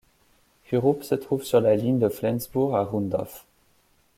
Hürup se trouver sur la ligne de Flensbourg à Rundhof.